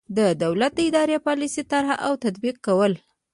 د دولت د اداري پالیسۍ طرح او تطبیق کول.